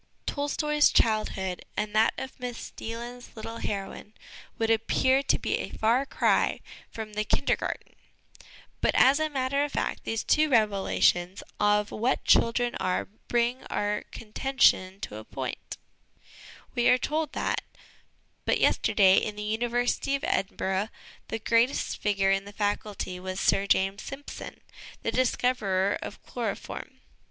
Tolstoi's childhood and that of Miss Deland's little heroine would appear to be a far cry from ' the Kinder garten '; but as a matter of fact these two revelations of what children are bring our contention to a point. 1 See Appendix A. LESSONS AS INSTRUMENTS OF EDUCATION 185 We are told that, " but yesterday, in the University of Edinburgh, the greatest figure in the Faculty was Sir James Simpson, the discoverer of chloroform.